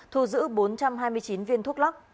thu giữ bốn trăm hai mươi chín viên thuốc lắc